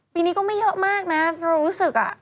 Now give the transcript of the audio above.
ปีนี้ก็ไม่เยอะมากนะเรารู้สึกอ่ะ